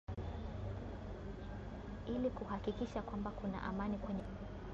ili kuhakikisha kwamba kuna amani kwenye mkutano huo